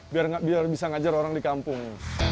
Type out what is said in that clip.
biar bisa ngajar orang di kampung